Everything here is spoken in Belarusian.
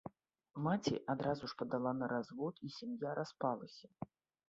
Маці адразу ж падала на развод, і сям'я распалася.